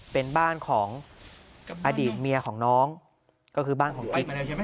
เป็นบ้านของอดีตเมียของน้องก็คือบ้านของกิ๊ก